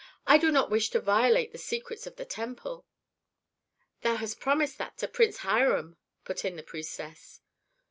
"I do not wish to violate the secrets of the temple." "Thou hast promised that to Prince Hiram," put in the priestess.